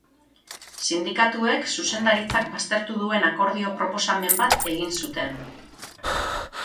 Sindikatuek zuzendaritzak baztertu duen akordio proposamen bat egin zuten.